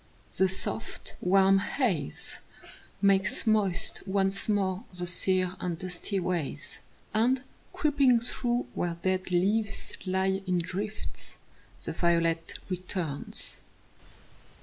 The soft, warm haze Makes moist once more the sere and dusty ways, And, creeping through where dead leaves lie in drifts, The violet returns.